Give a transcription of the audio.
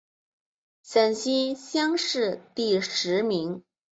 陕西乡试第十名。